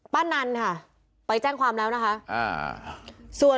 ป้านั้นไปแจ้งความแล้ว